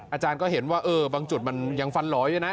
อาจารย์ก็เห็นว่าบางจุดมันยังฟันหลอยอยู่นะ